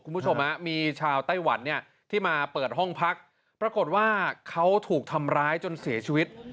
คุณผู้ชมฮะมีชาวไต้หวันเนี่ยที่มาเปิดห้องพักปรากฏว่าเขาถูกทำร้ายจนเสียชีวิต